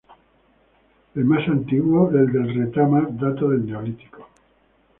El más antiguo, el de El Retamar, data del Neolítico.